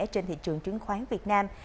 trên thị trường chứng khoán việt nam